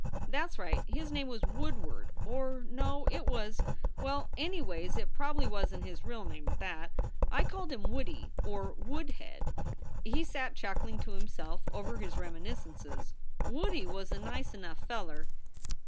That s right. His name was Woodward or no, it was well, anyways, it prob ly wasn t his real name at that. I called him Woodie or Woodhead." He sat chuckling to himself over his reminiscences. "Woodie was a nice enough feller.